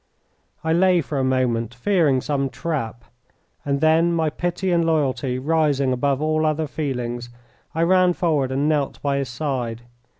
I lay for a moment, fearing some trap, and then, my pity and loyalty rising above all other feelings, I ran forward and knelt by his side.